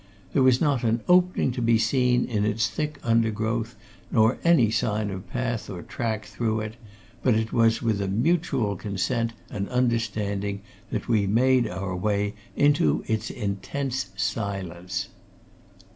There was not an opening to be seen in its thick undergrowth, nor any sign of path or track through it, but it was with a mutual consent and understanding that we made our way into its intense silence.